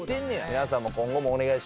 皆さんも今後もお願いします。